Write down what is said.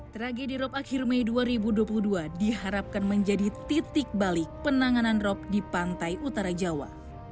tragedi rob akhir mei dua ribu dua puluh dua diharapkan menjadi titik balik penanganan rop di pantai utara jawa